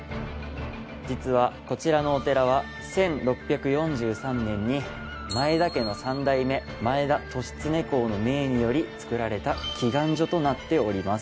実はこちらのお寺は１６４３年に前田家の３代目前田利常公の命により造られた祈願所となっております。